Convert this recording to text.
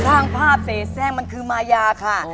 สร้างภาพเสศแสงมันคือมายาค่ะ